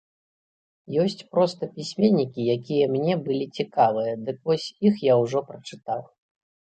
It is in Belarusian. Ёсць проста пісьменнікі, якія мне былі цікавыя, дык вось іх я ўжо прачытаў.